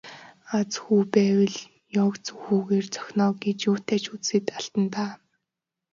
Аз хүү байвал ёоз хүүгээр цохино оо гэж юутай ч үзээд алдана даа.